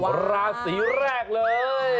วันราศีแรกเลย